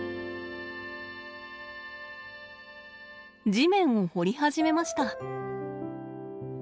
地面を掘り始めました。